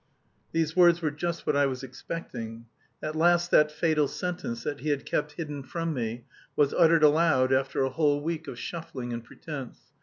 These words were just what I was expecting. At last that fatal sentence that he had kept hidden from me was uttered aloud, after a whole week of shuffling and pretence.